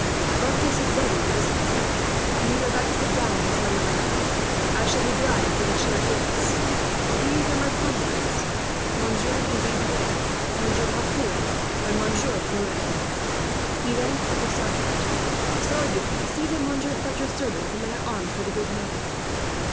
Breakfast is ready in this cottage, and we were about to sit down when we saw you riding up. I shall be glad if you will share it with us. These are my comrades, Messieurs Duvivier, Harcourt, and Parolles." He then called a sergeant. "Sergeant, see that Monsieur Fletcher's servant and men at arms have a good meal."